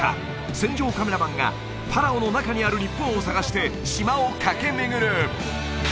戦場カメラマンがパラオの中にある日本を探して島を駆け巡る！